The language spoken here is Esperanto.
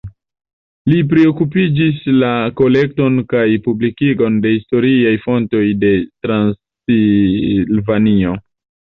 Li priokupiĝis la kolekton kaj publikigon de historiaj fontoj de Transilvanio.